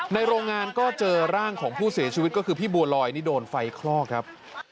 โรงงานก็เจอร่างของผู้เสียชีวิตก็คือพี่บัวลอยนี่โดนไฟคลอกครับ